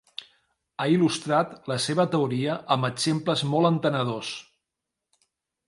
Ha il·lustrat la seva teoria amb exemples molt entenedors.